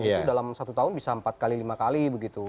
itu dalam satu tahun bisa empat kali lima kali begitu